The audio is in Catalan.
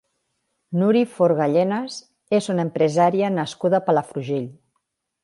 Nuri Forga Llenas és una empresària nascuda a Palafrugell.